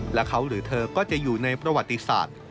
และเขาหรือเธอก็จะอยู่ในประวัติศาสตร์